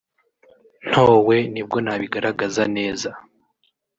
ntowe nibwo nabigaragaza neza